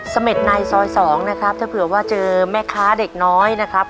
เสม็ดในซอย๒นะครับถ้าเผื่อว่าเจอแม่ค้าเด็กน้อยนะครับ